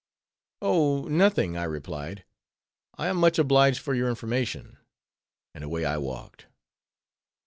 "Oh! nothing," I replied, "I am much obliged for your information"—and away I walked.